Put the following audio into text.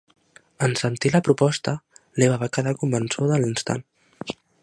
En sentir la proposta, l'Eva va quedar convençuda a l'instant.